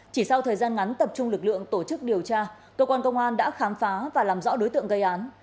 chỉ sau thời gian ngắn tập trung lực lượng tổ chức điều tra cơ quan công an đã khám phá và làm rõ đối tượng gây án